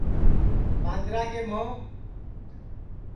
ٻاندرا کے مھوں